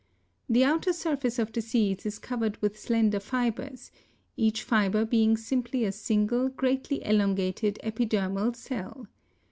The outer surface of the seeds is covered with slender fibers, each fiber being simply a single, greatly elongated epidermal cell.